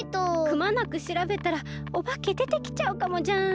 くまなくしらべたらおばけでてきちゃうかもじゃん。